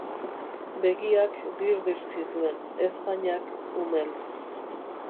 Begiak dir-dir zituen, ezpainak umel.